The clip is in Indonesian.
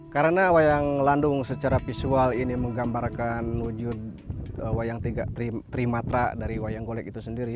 karena wayang landung secara visual ini menggambarkan wujud wayang tiga trimatra dari wayang golek itu sendiri